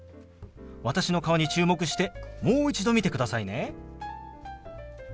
私の顔に注目してもう一度見てくださいね。